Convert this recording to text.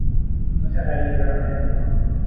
متغیرانه